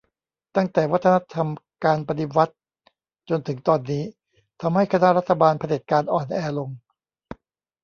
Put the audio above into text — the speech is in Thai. ตั้งแต่วัฒนธรรมการปฎิวัติจนถึงตอนนี้ทำให้คณะรัฐบาลเผด็จการอ่อนแอลง